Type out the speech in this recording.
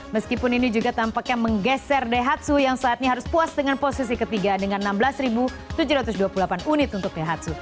meskipun ini juga tampaknya menggeser daihatsu yang saat ini harus puas dengan posisi ketiga dengan enam belas tujuh ratus dua puluh delapan unit untuk daihatsu